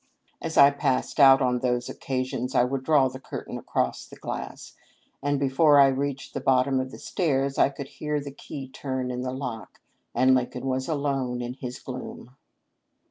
As I passed out on these occasions I would draw the curtain across the glass, and before I reached the bottom of the stairs I could hear the key turn in the lock, and Lincoln was alone in his gloom.